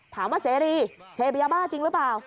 เสรีเสพยาบ้าจริงหรือเปล่า